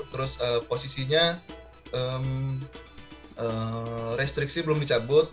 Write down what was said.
terus posisinya restriksi belum dicabut